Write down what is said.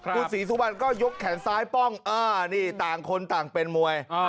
คุณศรีสุวรรณก็ยกแขนซ้ายป้องนี่ต่างคนต่างเป็นมวย